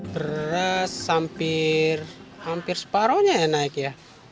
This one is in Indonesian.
beras hampir separohnya ya naik ya